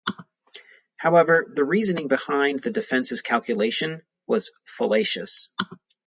However, the reasoning behind the defense's calculation was fallacious.